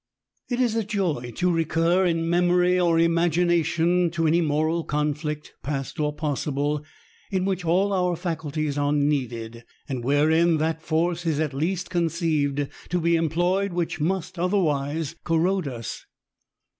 It is a joy to recur^ in memory or imagination, to any moral conflict, past or possible, in which all our faculties are needed, and wherein that force is at least conceived to be employed which must otherwise corrode us.